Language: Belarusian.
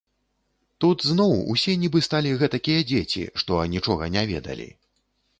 Тут зноў усе нібы сталі гэтакія дзеці, што анічога не ведалі.